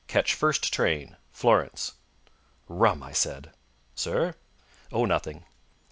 Catch first train. Florence._ "Rum!" I said. "Sir?" "Oh, nothing!"